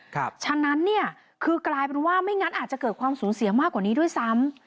ฉะนั้นเนี่ยคือกลายเป็นว่าไม่งั้นอาจจะเกิดความสูญเสียมากกว่านี้ด้วยซ้ำ